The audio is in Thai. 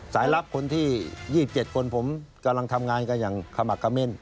ลับคนที่๒๗คนผมกำลังทำงานกันอย่างขมักขเม่น